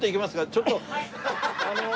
ちょっと。